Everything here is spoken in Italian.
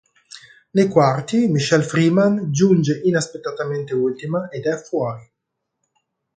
Nei Quarti Michelle Freeman giunge inaspettatamente ultima ed è fuori.